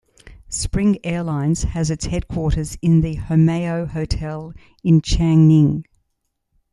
Spring Airlines has its headquarters in the Homeyo Hotel in Changning.